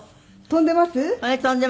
飛んでます。